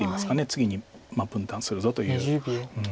次に分断するぞという。